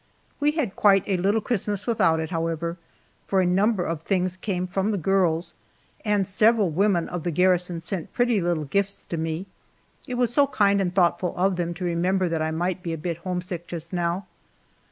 We had quite a little Christmas without it, however, for a number of things came from the girls, and several women of the garrison sent pretty little gifts to me. It was so kind and thoughtful of them to remember that I might be a bit homesick just now.